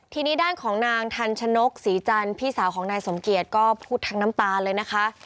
ทีนี้ด้านของนางทันชนกศรีจันทร์พี่สาวของนายสมเกียจก็พูดทั้งน้ำตาเลยนะคะ